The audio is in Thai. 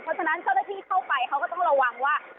เพราะฉะนั้นช่วงตะพี่เข้าไปเขาก็ต้องระวังว่า